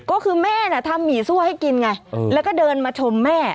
ก็คือแม่น่ะทำหมี่ซั่วให้กินไงแล้วก็เดินมาชมแม่